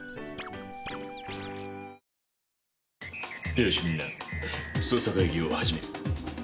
よしみんな捜査会議を始めよう。